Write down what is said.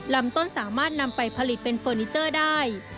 ลำต้นสามารถนำไปผลิตเป็นเฟอร์นิเจอร์ได้